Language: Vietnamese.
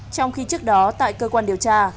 trong khi trước đó tại cơ quan điều tra